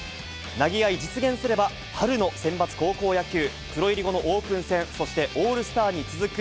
投げ合い、実現すれば、春のセンバツ高校野球、プロ入り後のオープン戦、そしてオールスターに続く